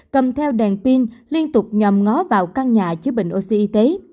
cầm theo đèn pin liên tục nhòm ngó vào căn nhà chứa bình oxy y tế